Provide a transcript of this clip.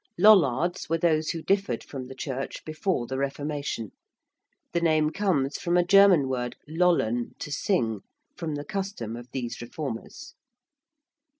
~Lollards~ were those who differed from the Church before the Reformation. The name comes from a German word lollen, to sing from the custom of these reformers.